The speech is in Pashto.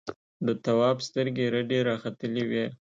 د تواب سترګې رډې راختلې وې.